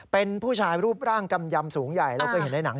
เป็นผู้ชายแล้วก็มีเป็นกระดง